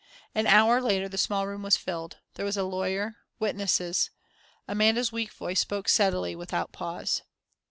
An hour later the small room was filled there was a lawyer, witnesses.... Amanda's weak voice spoke steadily, without a pause....